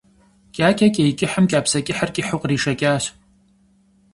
Кӏакӏэ кӏей кӏыхьым кӏапсэ кӏыхьыр кӏыхьу къришэкӏащ.